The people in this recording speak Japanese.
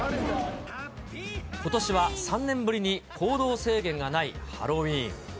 ことしは３年ぶりに、行動制限がないハロウィーン。